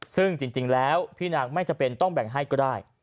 ซึ่งจริงแล้วพี่นางไม่จำเป็นต้องแบ่งให้ก็ได้